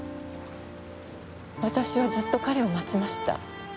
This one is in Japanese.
私はずっと彼を待ちました。